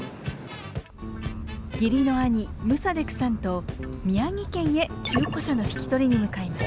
義理の兄ムサデクさんと宮城県へ中古車の引き取りに向かいます。